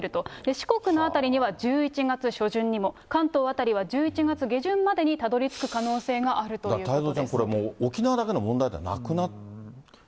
四国の辺りには１１月初旬にも、関東辺りは１１月下旬までにたどりつく可能性があるということで太蔵ちゃん、これ沖縄だけの問題じゃなくなってきてるよね。